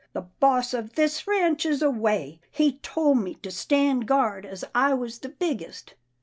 " The boss of this ranch is away. He tole me to Stan' guard as I was the biggest.